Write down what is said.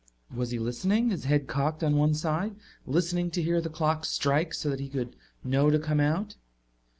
Was he listening, his head cocked on one side, listening to hear the clock strike so that he would know to come out?